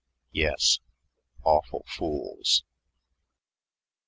"Yes awful fools."